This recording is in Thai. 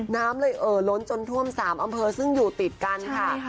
น้ำเลยเอ่อล้นจนท่วม๓อำเภอซึ่งอยู่ติดกันค่ะ